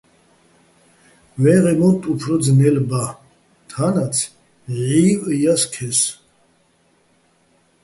ვეღეჼ მოტტ უფრო ძნელ ბა, თანაც, ჲჵივჸ ჲა სქესი.